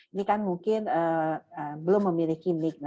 ini kan mungkin belum memiliki nick